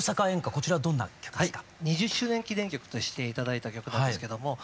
こちらどんな歌ですか？